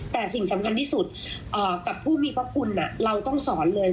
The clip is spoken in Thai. แต่สิ่งสำคัญที่สุดกับผู้มีพระคุณเราต้องสอนเลย